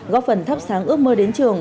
góp phần thắp sáng ước mơ đến trường